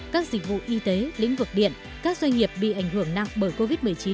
các dịch vụ y tế lĩnh vực điện các doanh nghiệp bị ảnh hưởng nặng bởi covid một mươi chín